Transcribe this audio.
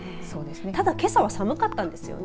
ただ、けさは寒かったんですよね。